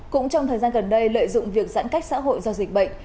cũng trong thời gian gần đây lợi dụng việc giãn cách xã hội do dịch bệnh